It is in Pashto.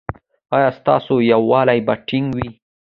ایا ستاسو یووالي به ټینګ وي؟